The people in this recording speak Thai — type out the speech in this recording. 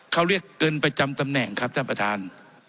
เขาเรียกเงินประจำตำแหน่งครับท่านประธาน